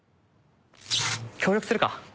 協力するか。